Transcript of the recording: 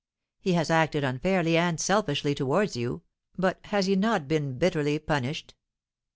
He has acted unfairly and selfishly towards you, but has he not been bitterly punished?